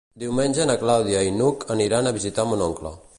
Diumenge na Clàudia i n'Hug aniran a visitar mon oncle.